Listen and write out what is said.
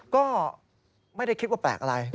ก็ไม่ได้คิดว่าแปลกอะไร